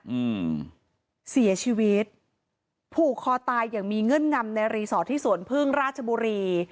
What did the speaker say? อืมเสียชีวิตผูกคอตายอย่างมีเงื่อนงำในรีสอร์ทที่สวนพึ่งราชบุรี